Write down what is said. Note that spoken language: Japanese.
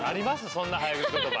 そんな早口言葉。